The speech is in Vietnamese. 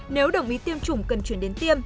nếu đồng ý tiêm chủng cần chuyển đến tiêm